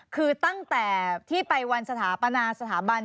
คือตั้งแต่ที่ไปวันสถาปนาสถาบัน